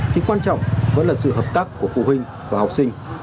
thì quan trọng vẫn là sự hợp tác của phụ huynh và học sinh